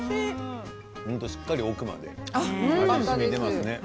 しっかり奥までしみていますね。